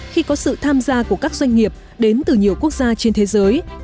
khi có sự tham gia của các doanh nghiệp đến từ nhiều quốc gia trên thế giới